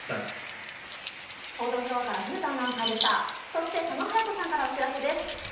そして佐野勇斗さんからお知らせです。